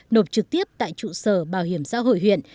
nộp trực tiếp tại trụ sở bảo hiểm xã hội huyện